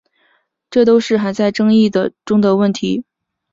这都是还在争论中的问题。